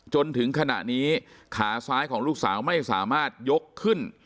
จนถึงขณะนี้ขาซ้ายของลูกสาวไม่สามารถยกขึ้น